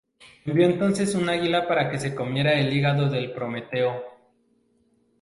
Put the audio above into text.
Envió entonces un águila para que se comiera el hígado de Prometeo.